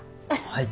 はい。